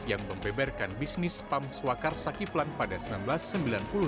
yang membeberkan bisnis pam swakar saki flan pada seribu sembilan ratus sembilan puluh delapan silam